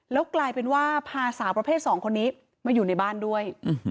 แล้วกลายเป็นว่าพาสาวประเภท๒คนนี้มาอยู่ในบ้านด้วย